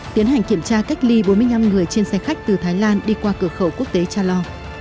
tiến hành kiểm tra cách ly bốn mươi năm người trên xe khách từ thái lan đi qua cửa khẩu quốc tế cha lo